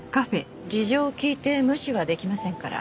事情を聴いて無視はできませんから。